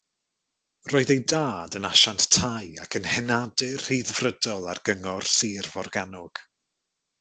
Roedd ei dad yn asiant tai ac yn henadur Rhyddfrydol ar Gyngor Sir Forgannwg.